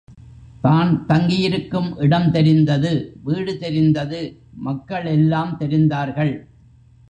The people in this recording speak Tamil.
தான் தங்கியிருக்கும் இடம் தெரிந்தது வீடு தெரிந்தது மக்கள் எல்லாம் தெரிந்தார்கள்.